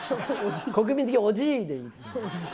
国民的おじいでいいです。